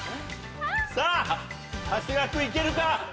さぁ長谷川君いけるか？